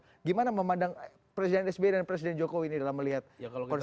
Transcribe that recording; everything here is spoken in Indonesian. bagaimana memandang presiden sby dan presiden jokowi ini dalam melihat konstelasi terkini